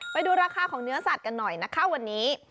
ไปดูราคาของเนื้อสัตว์กันหน่อยนะคะวันนี้